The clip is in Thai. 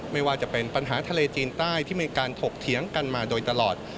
ไม่ว่าจะเป็นปัญหาทะเลจีนใต้ที่มีการถกเถียงกันมาโดยตลอด